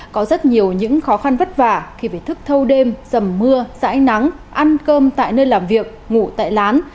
có rất nhiều những khó khăn vất vả khi phải thức thâu đêm dầm mưa dãi nắng ăn cơm tại nơi làm việc ngủ tại lán